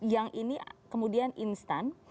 yang ini kemudian instan